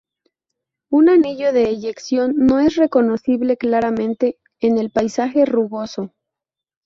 Un anillo de eyección no es reconocible claramente en el paisaje rugoso.